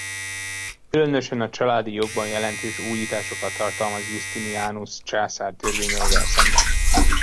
Különösen a családi jogban jelentős újításokat tartalmaz Justinianus császár törvényeivel szemben.